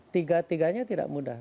tiga tiganya tidak mudah